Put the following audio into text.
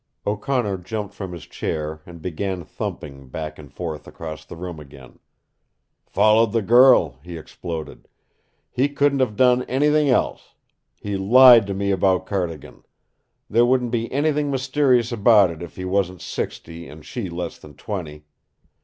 O'Connor jumped from his chair and began thumping back and forth across the room again. "Followed the girl," he exploded. "He couldn't have done anything else. He lied to me about Cardigan. There wouldn't be anything mysterious about it if he wasn't sixty and she less than twenty.